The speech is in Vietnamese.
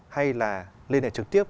hay là liên hệ trực tiếp